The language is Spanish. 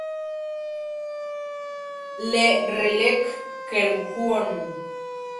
Le Relecq-Kerhuon